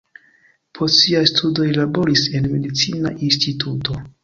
Post siaj studoj li laboris en medicina instituto.